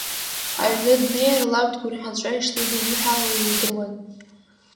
Аҩны днеир, лаб дгәырӷьаҵәа ишлыдиныҳәалоз лдыруан.